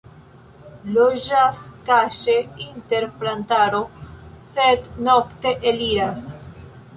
Loĝas kaŝe inter plantaro, sed nokte eliras.